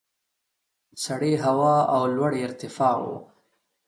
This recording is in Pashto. سړې هوا او لوړې ارتفاع وو.